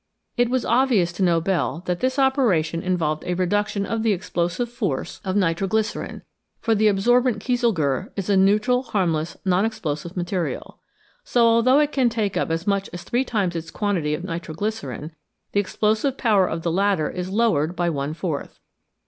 It was obvious to Nobel that this operation involved a reduction of the explosive force of 336 GREAT DISCOVERIES nitro glycerine, for the absorbent kieselguhr is a neutral, harmless, non explosive material. So, although it can take up as much as three times its quantity of nitro glycerine, the explosive power of the latter is lowered by one fourth.